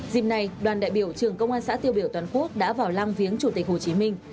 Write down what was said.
dịp này đoàn đại biểu trường công an xã tiêu biểu toàn quốc đã vào lăng viếng chủ tịch hồ chí minh